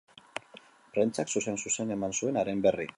Prentsak zuzen-zuzen eman zuen haren berri.